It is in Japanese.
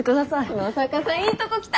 野坂さんいいとこ来た！